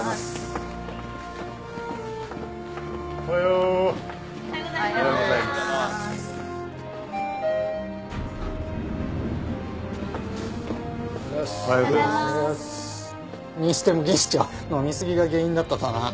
にしても技師長飲み過ぎが原因だったとはな。